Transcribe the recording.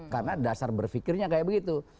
karena dasar berfikirnya kayak begitu